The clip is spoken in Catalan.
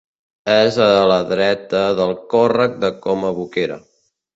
És a la dreta del còrrec de Coma Boquera.